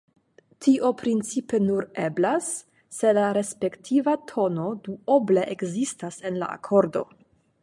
Tio principe nur eblas, se la respektiva tono duoble ekzistas en la akordo.